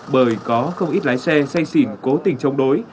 bởi có không ít lái xe say xỉn cố tình chống đối